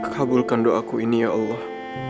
kabulkan doaku ini ya allah